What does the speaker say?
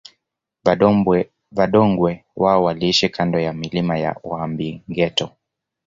Vadongwe wao waliishi kando ya milima ya Uhambingeto